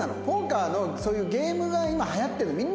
ポーカーのそういうゲームが今はやってる？